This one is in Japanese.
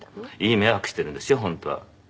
「いい迷惑してるんですよ本当は」。